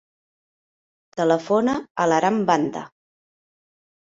Telefona a l'Aram Banda.